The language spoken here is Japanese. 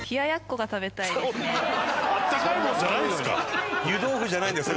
あったかいもんじゃないんですか？